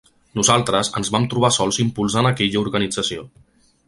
Nosaltres ens vam trobar sols impulsant aquella organització.